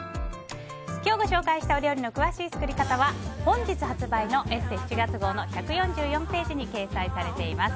今日、ご紹介した料理の詳しい作り方は本日発売の「ＥＳＳＥ」７月号の１４４ページに掲載されています。